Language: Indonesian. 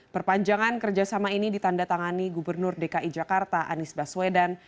perpanjangan kerjasama ini ditanda tangani gubernur dki jakarta anies baswedan